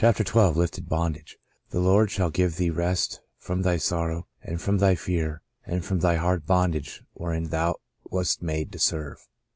XII THE LIFTED BONDAGE " The Lord shall give thee rest from thy sorrow, and from thy fear, and from the hard bondage wherein thou wast made to serve."